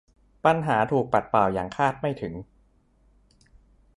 ปัญหาถูกปัดเป่าอย่างคาดไม่ถึง